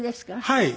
はい。